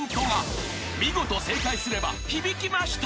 ［見事正解すれば「響きました」］